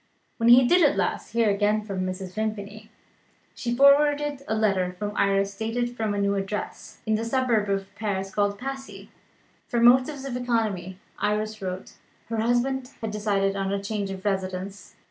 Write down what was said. When he did at last hear again from Mrs. Vimpany, she forwarded a letter from Iris dated from a new address, in the suburb of Paris called Passy. From motives of economy (Iris wrote) her husband had decided on a change of residence.